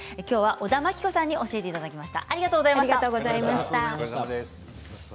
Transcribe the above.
小田真規子さんに教えていただきました。